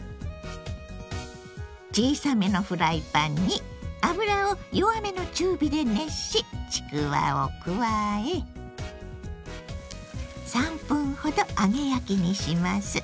小さめのフライパンに油を弱めの中火で熱しちくわを加え３分ほど揚げ焼きにします。